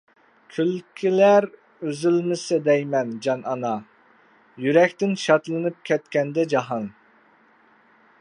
كۈلكىلەر ئۈزۈلمىسە دەيمەن جان ئانا، يۈرەكتىن شادلىنىپ كەتكەندە جاھان.